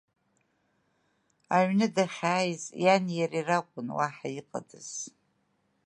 Аҩны дахьааиз, иани иареи ракәын, уаҳа иҟадаз.